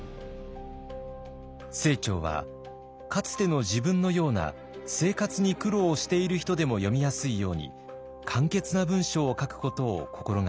清張はかつての自分のような生活に苦労をしている人でも読みやすいように簡潔な文章を書くことを心掛けました。